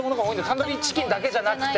タンドリーチキンだけじゃなくて。